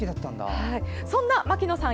そんな牧野さん